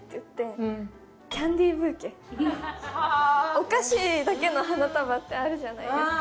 お菓子だけの花束ってあるじゃないですか。